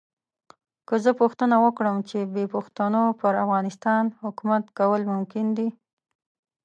که زه پوښتنه وکړم چې بې پښتنو پر افغانستان حکومت کول ممکن دي.